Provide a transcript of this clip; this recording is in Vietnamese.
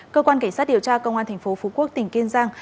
cơ quan cảnh sát điều tra công an tp phú quốc tỉnh kiên giang